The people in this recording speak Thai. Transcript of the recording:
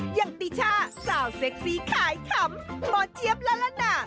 อย่างติช่าสาวเซ็กซี่ขายขำหมอเจี๊ยบละละนา